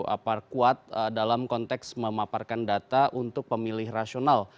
apar kuat dalam konteks memaparkan data untuk pemilih rasional